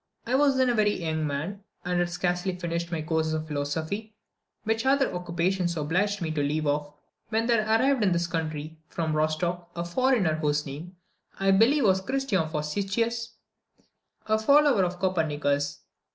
I was then a very young man, and had scarcely finished my course of philosophy, which other occupations obliged me to leave off, when there arrived in this country, from Rostoch, a foreigner, whose name, I believe, was Christian Vurstisius (Wurteisen), a follower of Copernicus.